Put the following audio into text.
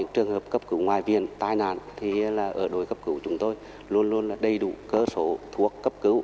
trường hợp cấp cứu ngoài viện tai nạn thì ở đội cấp cứu chúng tôi luôn luôn đầy đủ cơ số thuốc cấp cứu